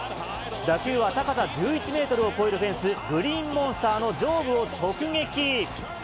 打球は高さ１１メートルを超えるフェンス、グリーンモンスターの上部を直撃。